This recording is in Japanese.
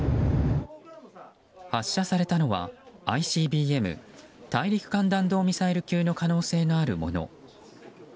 発射されたのはＩＣＢＭ・大陸間弾道ミサイル級の可能性があるもの